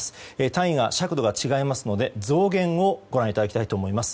単位、尺度が違いますので増減をご覧いただきたいと思います。